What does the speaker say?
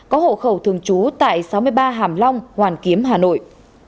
có hộ khẩu thường trú tại sáu mươi ba hàm long hoàn kiếm hà nội